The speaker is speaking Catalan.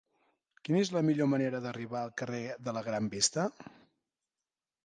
Quina és la millor manera d'arribar al carrer de la Gran Vista?